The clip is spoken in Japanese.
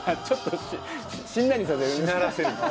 ちょっとしんなりさせる？